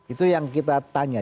itu yang kita tanya